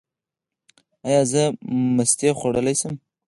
ایا زه مستې خوړلی شم؟